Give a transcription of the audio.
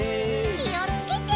きをつけて。